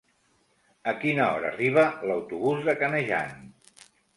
A quina hora arriba l'autobús de Canejan?